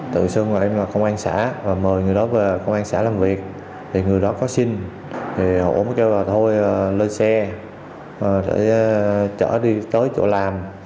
thôi lên xe chở đi tới chỗ làm